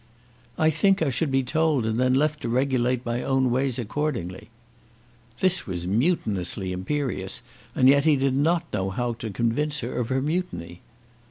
"I think I should be told, and then left to regulate my own ways accordingly." This was mutinously imperious, and yet he did not quite know how to convince her of her mutiny.